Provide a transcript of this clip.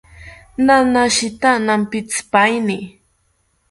Nanashita nampitzipaeni